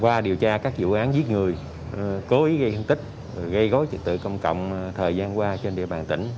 qua điều tra các vụ án giết người cố ý gây thương tích gây gối trật tự công cộng thời gian qua trên địa bàn tỉnh